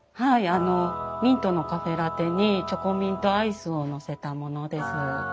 あのミントのカフェラテにチョコミントアイスを載せたものです。